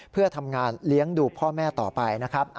เพื่อทำงานเลี้ยงดูพ่อแม่ต่อไปนะครับ